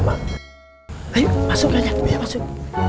mak ayo masuk aja masuk